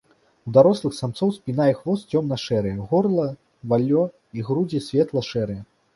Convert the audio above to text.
У дарослых самцоў спіна і хвост цёмна-шэрыя, горла, валлё і грудзі светла-шэрыя.